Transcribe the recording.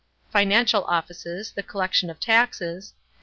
Financial offices, the collection of taxes, and *8eeb»low.